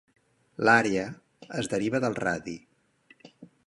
L'àrea es deriva del radi.